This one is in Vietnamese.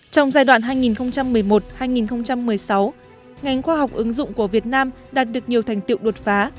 trong giai đoạn hai nghìn một mươi một hai nghìn một mươi sáu ngành khoa học ứng dụng của việt nam đạt được nhiều thành tiệu đột phá